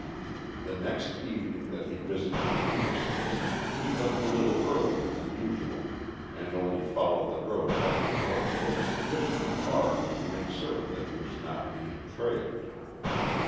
The next evening that he visited the Petersens he left a little earlier than usual, and only followed the road back to Northport sufficiently far to make certain that he was not being trailed.